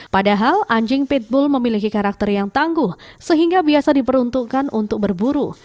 padahal anjing pitbull memiliki karakter yang tangguh sehingga biasa diperuntukkan untuk berburu